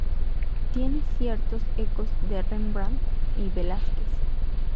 Tiene ciertos ecos de Rembrandt y Velázquez.